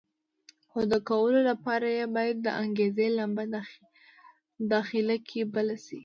خو د کولو لپاره یې باید د انګېزې لمبه داخله کې بله شي.